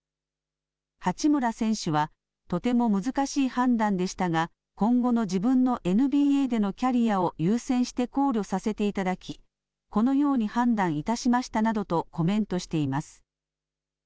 八村選手はとても難しい判断でしたが今後の自分のＮＢＡでのキャリアを優先して考慮させていただきこのように判断いたしましたなどとコメントしています。